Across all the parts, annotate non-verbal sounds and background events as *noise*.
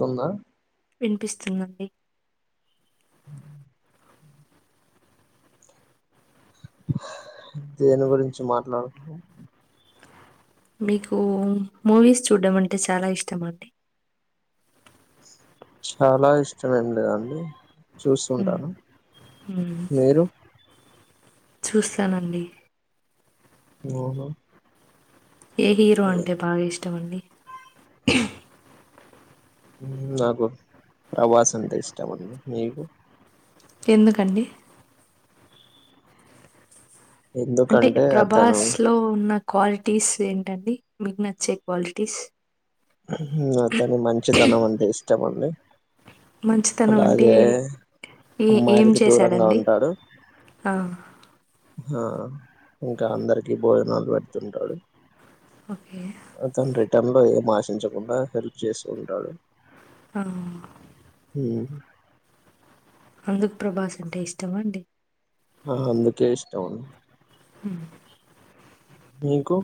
తుంద వినిపిస్తుందడి దేని గురించి మాట్లాడుకుందాం మీకు మూవీస్ చూడ్డం అంటే చాలా ఇష్టం అండి చాలా ఇస్తామేమ్ లేదండి హ్మ్. చూస్తుంటాను హ్మ్. మీరు చూస్తానండి ఓహో ఏ హీరో అంటే బాగా ఇష్టం అండి *inaudible* మ్మ్ నాకు ప్రభాస్ అంటే ఇష్టం అండి మీకు ఎందుకండి అంటే ఎందుకంటే అతను ప్రభాస్ లో ఉన్న క్వాలిటీస్ ఏంటండి మికు నచ్చే క్వాలిటీస్ అతని మంచితనం అంటే ఇష్టం అండి మంచితనం అంటే అలాగే ఏ ఏం అమ్మాయిలకి దూరంగా చేశాడండి? ఉంటాడు ఆ! ఆ ఇంకా అందరికీ భోజనాలు పెడుతుంటాడు ఓకే తని లో ఏం ఆశ పించకుండా హెల్ప్ చేస్తు ఉంటాడు ఆ మ్మ్ అందుకు ప్రభాస్ అంటే ఇష్టమా అండి ఆ అందుకే ఇష్టం అండి మ్మ్ మీకు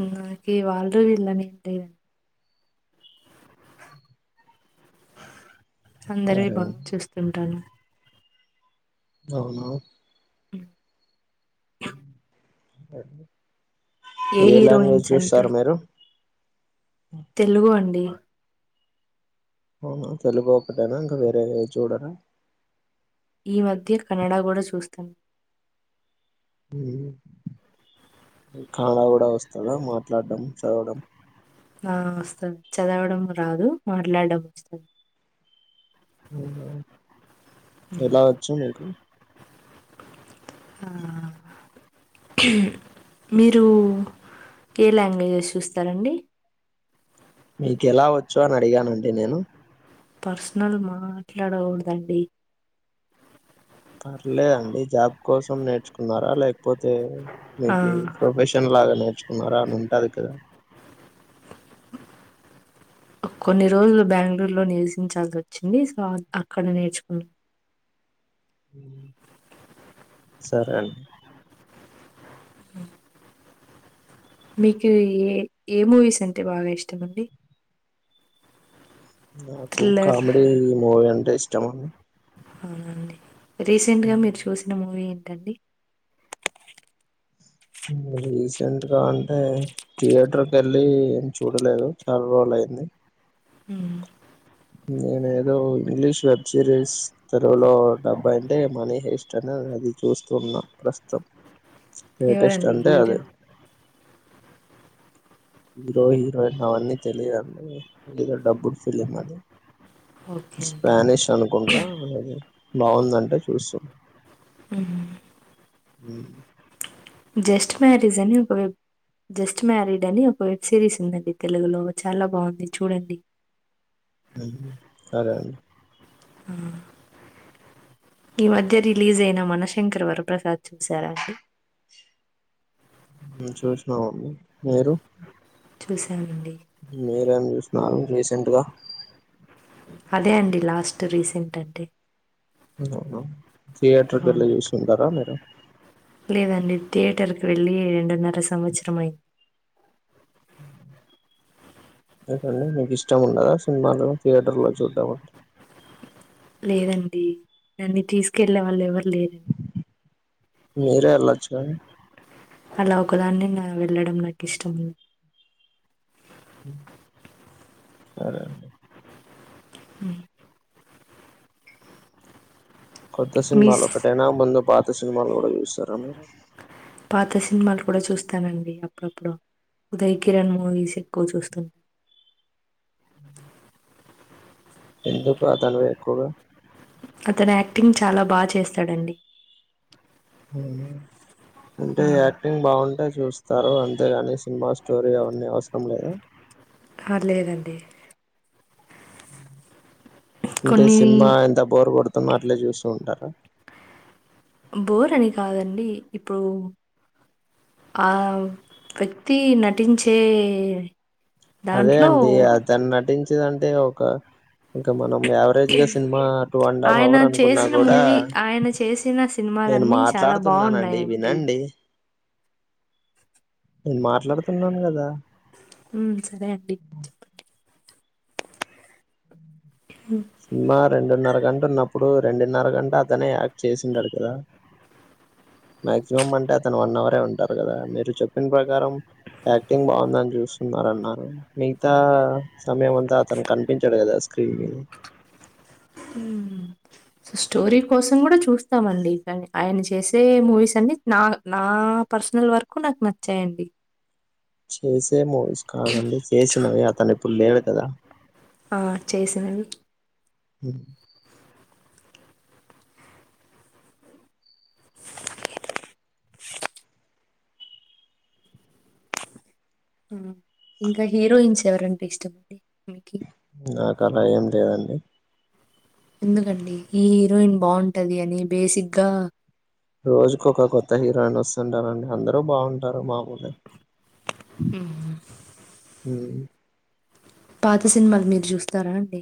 మ్మ్ నాకి వాళ్ళు వీళ్ళు అనేం లేదండి అందరీవి సరే బాగా చూస్తుంటాను అవును ఉమ్ *unintelligible* ఏ లాంగ్వేజ్ హీరోయిన్స్ అంటే చూస్తారు మీరు తెలుగు అండి అవును తెలుగు ఒకటేనా ఇంకా వేరే చూడరా ఈ మధ్య కనడా కూడా చూస్తాం కన్నడ కూడా వస్తుందా మాట్లాడడం చదవడం ఆ వస్తుంది చదవడం రాదు మాట్లాడడం వస్తుంది అవునా ఎలా వచ్చు మీకు మీరు ఏ లాంగ్వేజెస్ చూస్తారండి మీకు ఎలా వచ్చో అని అడిగానండి నేను పర్సనల్ మాట్లాడకూడదండి పర్లేదండి జాబ్ కోసం నేర్చుకున్నారా లేకపో కపోతే ఆ మీకు ప్రొఫెషన్ లాగానే ర్చుకున్నారా అని ఉంటది కదా కొన్ని రోజులు బెంగళూరులో నివసించాల్సి వచ్చింది సో అక్కడ నేర్చుకున్నాం సరే అండి మీకు ఏ ఏ మూవీస్ అంటే బాగా ఇష్టం అండి నాకు థ్రిల్లర్ కామెడీ మూవీ అం ఇష్టమా అవునండి రీసెంట్ గా మీరు చూసిన మూవీ ఆండీ రీసెంట్ గా అంటే థియేటర్కి వెళ్ళి ఏం చూడలేదు చాలా రోజలు అయింది హ్మ్మ్ నేను ఏదో ఇంగ్లీష్ వెబ్ సిరీస్ తెలుగులో డబ్ అయింటే మనీ హేస్ట్ అని అది చూస్తున్న ప్రస్తుతం లేటెస్ట్ ఎవరండి అంటే హీరో? అదే హీరో హీరోయిన్ అవన్నీ తెలిదండి ఏదో డబ్డ్ ఫిలిం అది ఓకే అండి. స్పానిష్ అనుకుంటా అది బాగుందంటే చూసా హ్మ్మ్ ఊ జస్ట్ మ్యారీజ్ అని ఒక వెబ్ జస్ట్ మ్యారీడ్ అని ఒక వెబ్ సిరీస్ ఉందండి తెలుగులో చాలా బాగుంది చూడండి సరే అండి ఈ మధ్య రిలీజ్ అయిన మనశంకర్ వరప్రసాద్ చూసారాండి చూసినామండి మీరు చూస్ నానండి మీరేం చూసినారు రీసెంట్గా అదే అండి లాస్ట్ రీసెంట్ అంటే అవునా థియేటర్ కి వెళ్లి అవును చూస్తుంటారా మీరు థియేటర్కు వెళ్లి రెండున్నర సంవత్సరం అయ్యి ఏంటండీ మీకు ఇష్టం ఉండదా సినిమాలు థియేటర్లో చూడం లేదండి నన్ని తీసుకెళ్లేవాళ్లు ఎవరూ లేరు మీరే వెళ్ళొచ్చు కా అలా ఒకదాన్నే నా వెళ్ళడం నాకు ఇష్టం లేదు సరే అండి ఉ కొత్త మీ సినిమాలు స్- ఒకటేనా ముందు పాత్ త్త సినిమాలు కూడా చూస్తారా మీరు పాత సినిమాలు కూడా చూస్తానండి అప్పుడప్పుడు ఉదయ్ కిరణ్ మూవీస్ ఎక్కువ చూస్తు ఎందుకు అతనివే ఎక్కువగా అతను యాక్టింగ్ చాలా బా చేస్తాడండి అంటే ఉమ్, యాక్టింగ్ బాగుంటే చూస్తారు అం అంతేగాని సినిమా స్టోరీ అవన్నీ ఏం అవసరం లేదా హ లేదండి అంటే కొన్ని సినిమా ఎంత బోర్ కొడుతున్న అట్లే చూస్తూ ఉంటా స బోర్ అని కాదండి ఇప్పుడు ఆ వ్యక్తి నటించే అదే దాంట్లో అండి అతని నటించి వచ్చిదంటే ఒక ఇంకా మనం యావరేజ్ గా సినిమా టు అండ్ ఆఫ్ ఆయన అవర్ అనుకున్నా చేసిన కూడా మూవీ ఆయన చేసిన నేను సినిమాలన్నీ చాలా మాట్లాడుతున్నానండి బాగున్నాయండి వినండి నేను మాట్లాడుతున్నాను కదా ఉ సరే అండి చెప్పండి ఉమ్. సినిమా రెడున్నరగంట న్నప్పుడు రెండున్నర గంట అతనే యాక్ట్ చేసిండడు కదా మాక్సిమం అంటే అతను వన్ అవరే ఉంటారు కదా మీరు చెప్పిన ప్రకారం యాక్టింగ్ బాగుందని చూస్తున్నారు అన్నారు మిగతా సమయం అంతా అతను కనిపించాడు కదా స్క్రీన్ మీద స్టోరీల కోసం కూడా చూస్తామండి కానీ ఆయన చేసే మూవీస్ అన్నిీ నా నా పర్సనల్ వర్క్ నాకు నచ్చాయండి చేసే మూవీస్ కాదండి చేసినవి అతను ఇప్పుడు లే దా ఆ చేసిందండి ఉ ఇంకా హీరోయిన్స్ ఎవరంటే ఇష్టమ అండిమీకి నాకు అలా ఏం లేదండి ఎందుకండి ఈ హీరోయిన్ బాగుంటది అని బేసిక్గా రోజుకు ఒక కొత్త హీరోయిన్ వస్తుంటారండి అందరుూ బాగుంటారు మా ఉ పాత సినిమాలు మీరు జూస్తారా అండి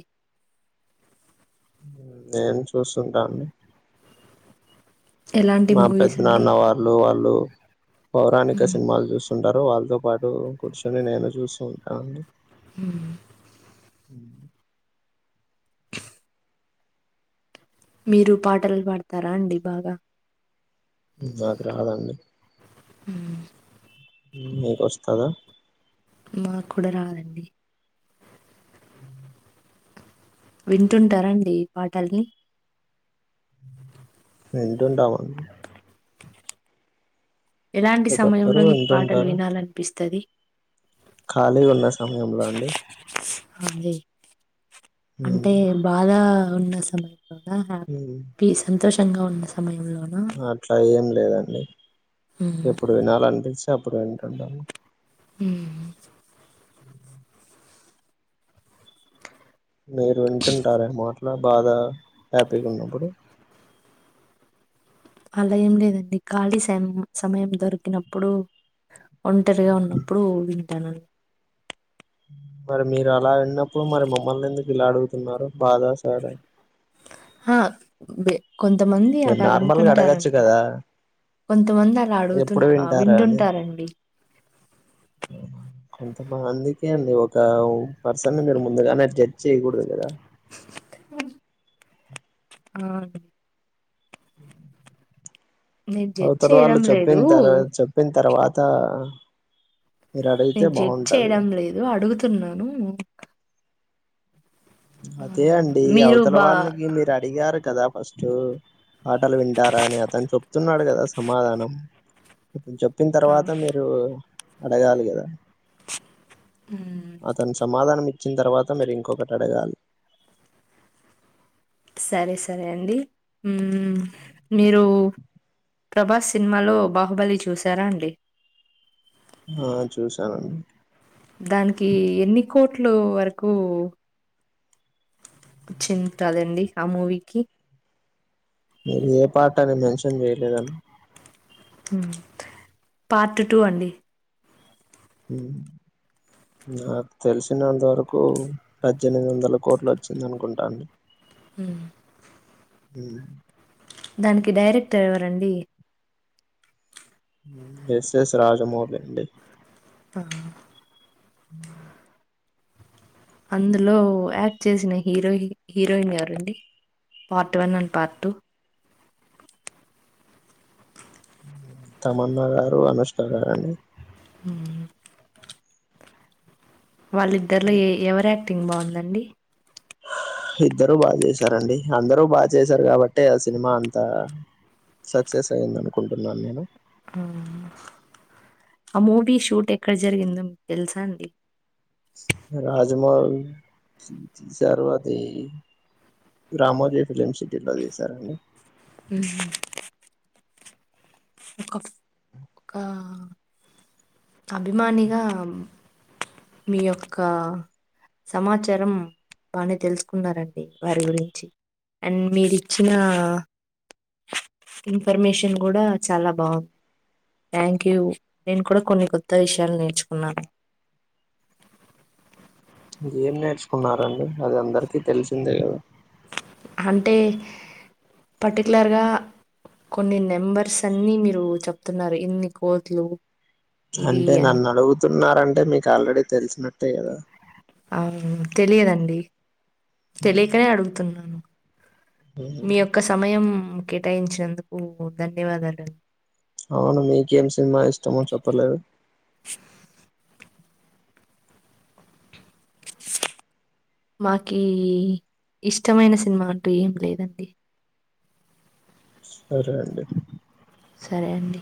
నేను చూస్తుంటా అండి ఎలాంటి మా మూవీస్ పెద్ద అండి నాన్న వాళ్ళు వాళ్ళు పౌరాణిక హ్మ్. సినిమాలు చూస్తుంటారు వాళ్ళతో పాటు కూర్చొని నేను చూస్తు ఉంటా అండి ఉ హు మీరు పాటలు బాడతారా అండి బాగా నాకు రాదండి అ మీకు వస్తదా మాకు కూడా రాదండి అ వింటుంటార అండి పాటల్ని వింటుంటాం అండి ఎలాంటి ప్రతి ఒక్కరు సమయంలో మీకు పాటలు వినాలనిపిస్తది ఖాళీ ఉన్న సమయంలో అండి అదే మ్మ్ అంటే బాగా ఉన్న సమయం ఆహా మ్మ్ పీస్ ఫుల్ సంతోషంగా ఉన్న సమయంలో అట్లా ఏం లేదండి హ్మ్. ఎప్పుడు వినాలి అనిపించి ప్పుడు వింటుంటాను ఉ అ మీరు వింటుంటారే మో అట్ల్ అలా బాగా హ్యాపీగా ఉన్నప్పుడు అలా ఏం లేదండి ఖాళీ సం సమయం దొరికినప్పుడు ఒంటరిగా ఉన్నప్పుడు విం టాను మరి మీరు అలా విన్నప్పుడు మరి మమ్మల్ని ఎందుకు ఇలా అడుగుతున్నారు బాధ సాడ్ అని హా బె కొంతమంది మీరు అలా నార్మల్గా అడగచ్చు వింటుంటారండి కదా కొంతమంది అలా అడుగుతు ఎప్పుడు వింటారా వింటుంటారండి కొంతమందికే అండి ఒక పర్సన్ మీరు ముందుగానే జడ్జ్ చేయ్యకూడదు కదా అ ఆ అ నేను జడ్జ్ అవుతల వాళ్ళు చేయడం లేదు. చెప్పిన తర్ చెప్పిన తర్వాత త నేను జడ్జి చేయడం లేదు అడుగుతున్నాను ఆ! అదే అండి మీరు అవతల బా వాళ్ళకి మీరు అడిగారు కదా ఫస్ట్ పాటలు వింటారా అని అతను చెప్తున్నాడు కదా సమాధానం చెప్పిన ఆ! తర్వాత మీరు అడగాలి కదా హ్మ్. అతను సమాధానం వచ్చిన తర్వాత మీరు ఇంకొక అడగాలి సరే సరే అండి ఊ మీరు ప్రభాస్ సినిమాలో బాహుబలి చూశారా అండి ఆ చూశానండి దానికి ఎన్ని కోట్లు వరకు వచ్చి ఉంటదండి ఆ మూవీకి మీరు ఏ పాట అని మెన్షన్ చేయలేదుండి పార్ట్ టూ అండి నాకు తెలిసినంత వరకు పద్దెనిమిది వందల కోట్లు వచ్చింది అనుకుంటా అండి ఊ ఊ దానికి డైరెక్టర్ ఎవరండి ఎస్ ఎస్ రాజమౌళి అండి ఆ అ అందులో యాక్ట్ చేసిన హీరో హీరోయిన్ గారండి part one and part two Tamannaah గారు అనుష్క గారు అండి వాళ్ళిద్దరిలో ఈ ఎ ఎవరు ఆ టింగ్ బాగుందండి ఇద్దరు బాగా చేశారంండి అందరూ బాగా చేశారు కాబట్టి ఆ సినిమా అంత సక్సెస్ అయ్యంద అనుకుంటున్నాను నేను ఆ మూవీ షూట్ ఎక్కడ జరిగిందో మీకు తెలుసా అండి రాజమౌళి తీసారు అది రామోజీ ఫిలిమ్ సిటీలో తీసారండి ఉహు ఒక ఒక అభిమానిగా మీ యొక్క సమాచారం బాగానే తెలుసుకున్నరు అండి వారి గురించి అండ్ మీరుచ్చిన ఇన్ఫర్మేషన్ కూడా చాలా బాగుంది థ్యాంక్ యూ నేను కూడా కొన్ని కొత్త విషయాలు నేర్చుకున్నాను ఏం నేర్చుకున్నారండి అది అందరికి తెలిసిందే కదా అంటే పర్టికులర్గా కొన్ని నెంబర్స్ అన్ని మీరు చెప్తున్నారు ఇన్ని కోట్లు ఇది అంటే అని నన్నడుగుతు ఉన్నారంటే మీకు ఆల్రెడీ తెలిసినట్టే గదా. ఆ తెలియదండి. తెలియకనే అడుగుతున్నాను. మీ యొక్క సమయం కేటాయించినందుకూ ధన్యవాదాలం అవును మీకేం సినిమా ఇష్టమో చెప్పలేదు. మాకీ ఇష్టమైన సినిమా అంటూ ఏం లేదండి. సరే అండి సరే అండి